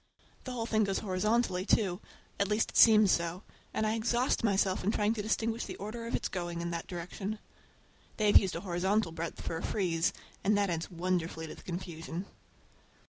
The whole thing goes horizontally, too, at least it seems so, and I exhaust myself in trying to distinguish the order of its going in that direction. They have used a horizontal breadth for a frieze, and that adds wonderfully to the confusion.